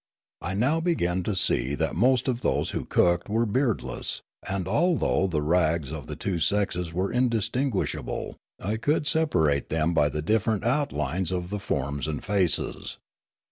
I now began to see that most of those who cooked were beardless, and al though the rags of the two sexes were indistinguish able, I could separate them b}' the different outlines of the forms and faces.